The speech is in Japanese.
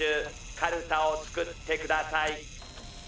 かるたをつくってください。